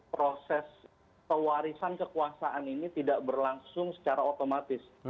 proses pewarisan kekuasaan ini tidak berlangsung secara otomatis